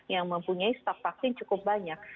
yang mempunyai stok vaksin cukup banyak